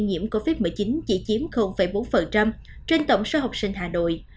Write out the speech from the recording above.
nhiễm covid một mươi chín chỉ chiếm bốn trên tổng số học sinh hà nội